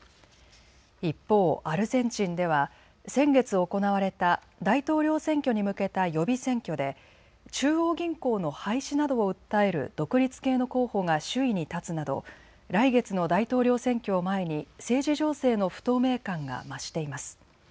一方、アルゼンチンでは先月行われた大統領選挙に向けた予備選挙で中央銀行の廃止などを訴える独立系の候補が首位に立つなど来月の大統領選挙を前に政治情勢の不透明感が増しています。